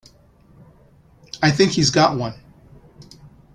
I think he's got one.